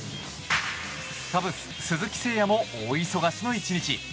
カブス、鈴木誠也も大忙しの１日。